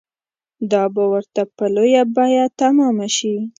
دا به ورته په لویه بیه تمامه شي.